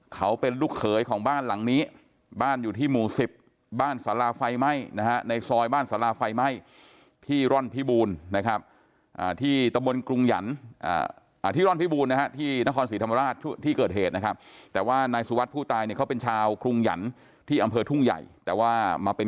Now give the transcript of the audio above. เขาเป็นลูกเขยของบ้านหลังนี้บ้านอยู่ที่หมู่๑๐บ้านสาราไฟไหม้